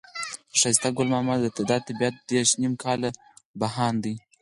د ښایسته ګل ماما دا طبيعت دېرش نيم کاله بهاند دی.